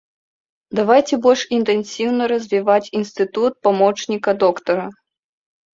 Давайце больш інтэнсіўна развіваць інстытут памочніка доктара.